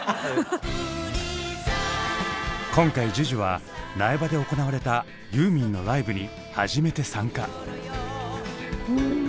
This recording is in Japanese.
今回ＪＵＪＵは苗場で行われたユーミンのライブに初めて参加。